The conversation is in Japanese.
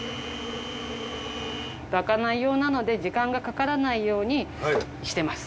まかない用なので時間がかからないようにしてます。